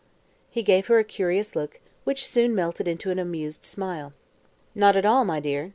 He gave her a curious look, which, soon melted into an amused smile. "Not at all, my dear.